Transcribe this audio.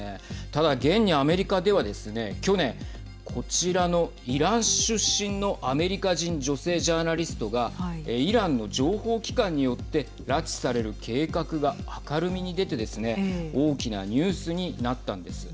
ただ現に、アメリカではですね去年、こちらのイラン出身のアメリカ人女性ジャーナリストがイランの情報機関によって拉致される計画が明るみに出てですね大きなニュースになったんです。